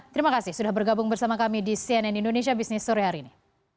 terima kasih sudah bergabung bersama kami di cnn indonesia business sore hari ini